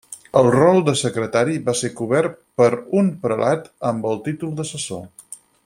El rol de secretari va ser cobert per un prelat amb el títol d'assessor.